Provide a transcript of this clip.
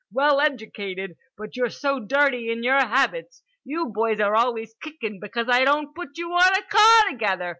Well edjucated. But you're so dirty in your habits. You boys are always kickin' because I don't put you on a car together.